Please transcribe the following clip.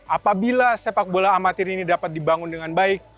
apabila sepak bola amatir ini dapat dibangun dengan baik